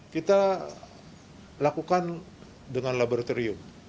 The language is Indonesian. kita lakukan dengan laboratorium